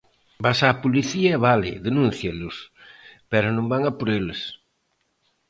Vas á policía e vale, denúncialos, pero non van a por eles.